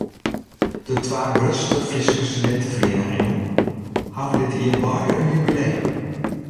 De twa grutste Fryske studinteferieningen hawwe dit jier beide in jubileum.